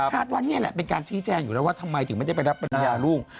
ว่านี่แหละเป็นการชี้แจงอยู่แล้วว่าทำไมถึงไม่ได้ไปรับปริญญาลูก